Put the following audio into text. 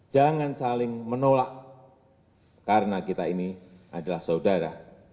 jangan saling menolak karena kita ini adalah saudara